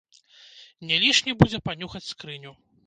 Не лішне будзе панюхаць скрыню!